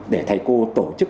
để thầy cô tổ chức